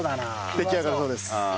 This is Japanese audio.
出来上がるそうです。